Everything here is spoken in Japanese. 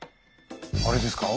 あれですか？